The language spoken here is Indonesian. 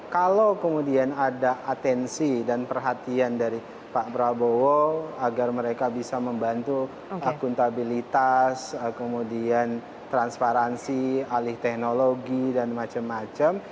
kalau kemudian ada atensi dan perhatian dari pak prabowo agar mereka bisa membantu akuntabilitas kemudian transparansi alih teknologi dan macam macam